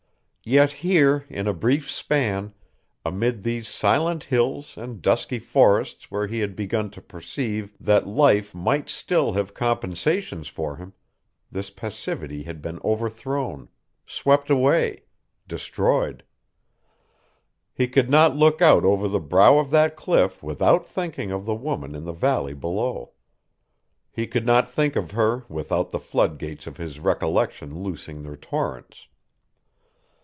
Yet here in a brief span, amid these silent hills and dusky forests where he had begun to perceive that life might still have compensations for him, this passivity had been overthrown, swept away, destroyed. He could not look out over the brow of that cliff without thinking of the woman in the valley below. He could not think of her without the floodgates of his recollection loosing their torrents.